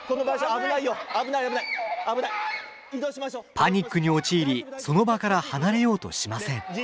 パニックに陥りその場から離れようとしません。